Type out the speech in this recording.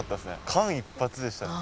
間一髪でしたね。